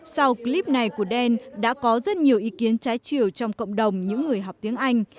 sau clip này của đen đã có rất nhiều ý kiến trái chiều trong cộng đồng những người học tiếng anh